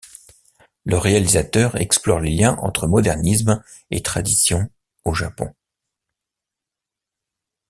Le réalisateur explore les liens entre modernisme et tradition au Japon.